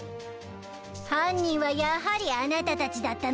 犯人はやはりあなたたちだったのでぃすね。